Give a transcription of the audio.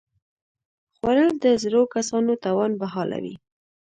خوړل د زړو کسانو توان بحالوي